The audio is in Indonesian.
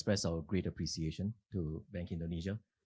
penghargaan kami kepada bank indonesia